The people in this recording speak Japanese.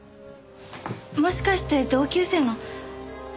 もしかして同級生の？